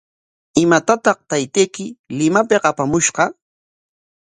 ¿Imatataq taytayki Limapik apamushqa?